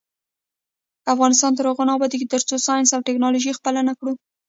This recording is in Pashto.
افغانستان تر هغو نه ابادیږي، ترڅو ساینس او ټیکنالوژي خپله نکړو.